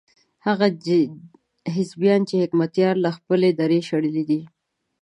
هغه حزبيان چې حکمتیار له خپلې درې شړلي دي.